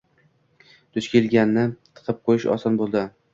Duch kelganni tiqib qoʼyish oson boʼldi.